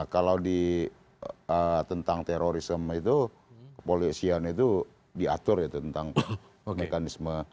kalau di tentang terorisme itu kepolisian itu diatur tentang mekanisme